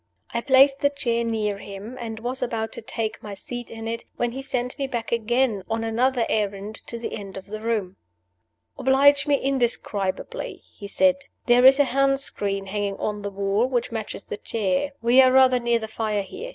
I placed the chair near him, and was about to take my seat in it, when he sent me back again, on another errand, to the end of the room. "Oblige me indescribably," he said. "There is a hand screen hanging on the wall, which matches the chair. We are rather near the fire here.